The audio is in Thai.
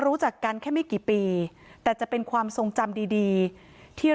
รู้จักกันแค่ไม่กี่ปีแต่จะเป็นความทรงจำดีดีที่